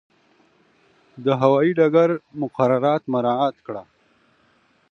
د هوایي ډګر مقررات مراعات کړه.